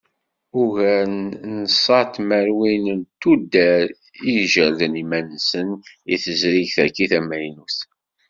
Ugar n ṣa tmerwin n tuddar i ijerrden iman-nsent i tezrigt-agi tamaynut.